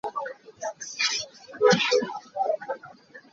Tangka nuai sawm ngeih cu a har chinchin.